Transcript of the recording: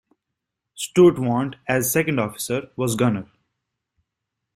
Sturtevant, as second officer, was gunner.